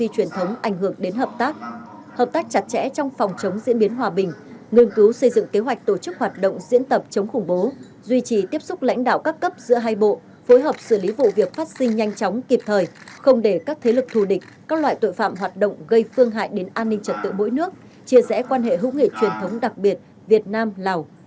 truyền thống ảnh hưởng đến hợp tác hợp tác chặt chẽ trong phòng chống diễn biến hòa bình nghiên cứu xây dựng kế hoạch tổ chức hoạt động diễn tập chống khủng bố duy trì tiếp xúc lãnh đạo các cấp giữa hai bộ phối hợp xử lý vụ việc phát sinh nhanh chóng kịp thời không để các thế lực thù địch các loại tội phạm hoạt động gây phương hại đến an ninh trật tự mỗi nước chia rẽ quan hệ hữu nghị truyền thống đặc biệt việt nam lào